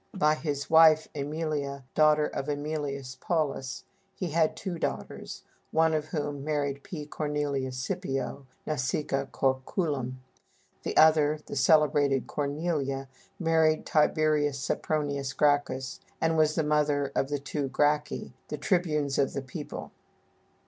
By his wife Æmilia, daughter of Æmilius Paullus, he had two daughters, one of whom married P. Cornelius Scipio Nasica Corculum, the other, the celebrated Cornelia, married Tib. Sempronius Gracchus, and was the mother of the two Gracchi, the tribunes of the people.